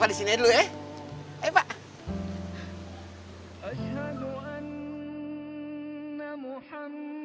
pak disininya dulu ya